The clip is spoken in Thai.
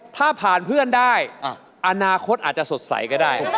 ถ้าผ่านเพื่อนได้อนาคตอาจจะสดใสก็ได้